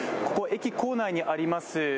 ここ、駅構内にあります